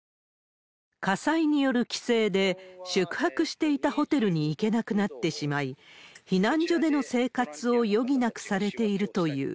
火災による規制で、宿泊していたホテルに行けなくなってしまい、避難所での生活を余儀なくされているという。